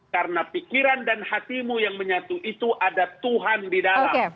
karena pikiran dan hatimu yang menyatu itu ada tuhan di dalam